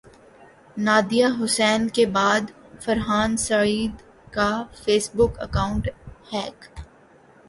Nadia Hussain کے بعد فرحان سعید کا فیس بک اکانٹ ہیک